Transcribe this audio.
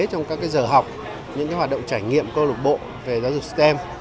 trong các giờ học những hoạt động trải nghiệm cơ lục bộ về giáo dục stem